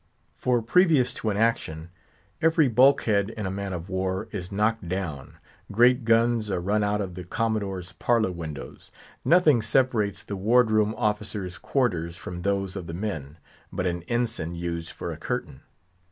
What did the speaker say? For previous to an action, every bulk head in a man of war is knocked down; great guns are run out of the Commodore's parlour windows; nothing separates the ward room officers' quarters from those of the men, but an ensign used for a curtain.